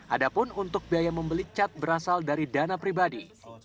ada pun untuk biaya membeli cat berasal dari dana pribadi